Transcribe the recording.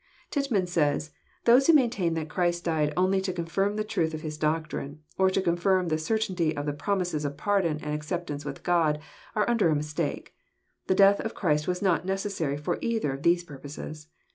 " Tittman says : "Those who maintain that Christ died only to confirm the truth of His doctrine, or to confirm the certainty of the promises of pardon and acceptance with God, are under a mistake. The death of Christ was not necessary for either of those purposes.